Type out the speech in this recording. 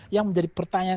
yang menjadi pertandaan